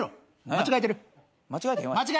間違えてる。